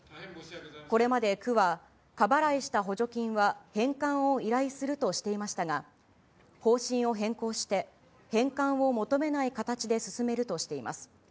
これまで区は、過払いした補助金は返還を依頼するとしていましたが、方針を変更して返還を求めない形で進めるとしています。